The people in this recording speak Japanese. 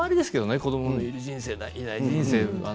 子どものいる人生といない人生。